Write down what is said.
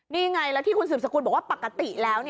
นี่ไงแล้วที่คุณสืบสกุลบอกว่าปกติแล้ว